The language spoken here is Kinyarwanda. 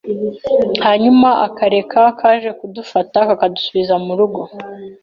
hanyuma akarere kaje kudufata kadusubiza mu rugo,